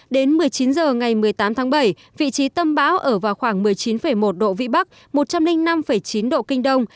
đến một mươi chín h ngày một mươi tám tháng bảy vị trí tâm bão ở vào khoảng một mươi chín một độ vĩ bắc một trăm linh năm chín độ kinh đông